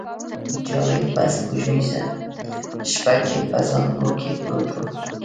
جاوید په سپوږمیزه شپه کې په زانګو کې پروت و